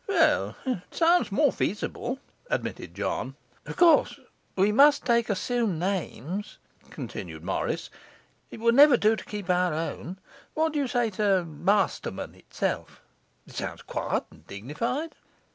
'Well, it sounds more feasible,' admitted John. 'Of course we must take assumed names,' continued Morris. 'It would never do to keep our own. What do you say to "Masterman" itself? It sounds quiet and dignified.